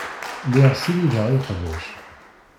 Lliɣ ssirideɣ iqbac.